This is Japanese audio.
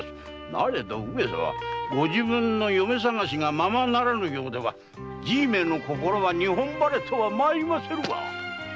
なれどご自分の嫁さがしがままならぬようではじいの心は日本晴れとは参りませぬわ。